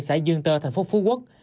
xã dương tơ tp phú quốc